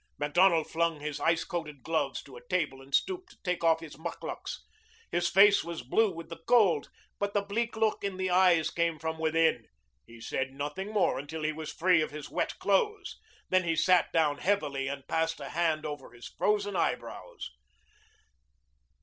Macdonald flung his ice coated gloves to a table and stooped to take off his mukluks. His face was blue with the cold, but the bleak look in the eyes came from within. He said nothing more until he was free of his wet clothes. Then he sat down heavily and passed a hand over his frozen eyebrows.